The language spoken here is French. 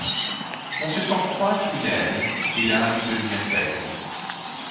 On se sent croître une aile ; et l'âme y devient aigle.